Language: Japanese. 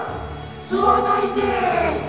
吸わないで！